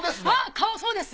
顔そうです。